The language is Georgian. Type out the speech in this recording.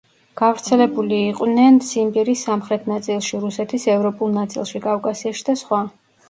გავრცელებული იყვნენ ციმბირის სამხრეთ ნაწილში, რუსეთის ევროპულ ნაწილში, კავკასიაში და სხვა.